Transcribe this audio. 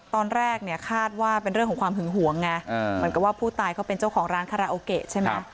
ตอนแรกเนี่ยคาดว่าเป็นเรื่องของความหึงหวงไงเหมือนกับว่าผู้ตายเขาเป็นเจ้าของร้านคาราโอเกะใช่ไหม